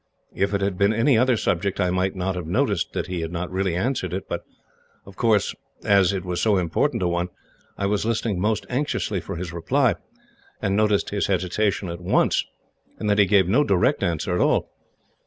If it had been any other subject, I might not have noticed that he had not really answered it, but of course, as it was so important a one, I was listening most anxiously for his reply, and noticed his hesitation at once, and that he gave no direct answer at all.